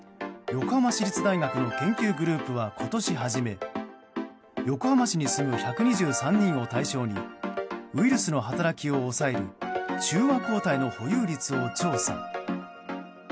横浜市立大学の研究グループは今年初め横浜市に住む１２３人を対象にウイルスの働きを抑える中和抗体の保有率を調査。